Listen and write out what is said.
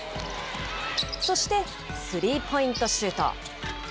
そして、スリーポイントシュート。